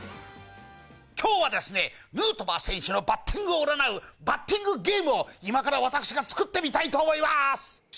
きょうはですね、ヌートバー選手のバッティングを占うバッティングゲームを、今から私が作ってみたいと思います。